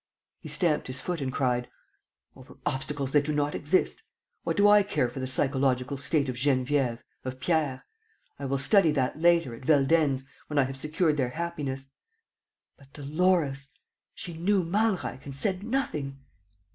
He stamped his foot and cried: "Over obstacles that do not exist! What do I care for the psychological state of Geneviève, of Pierre? ... I will study that later, at Veldenz, when I have secured their happiness. But Dolores ... she knew Malreich and said nothing!